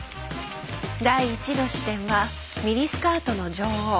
第１の視点は「ミニスカートの女王」